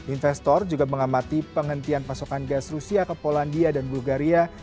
investor juga mengamati penghentian pasokan gas rusia ke polandia dan bulgaria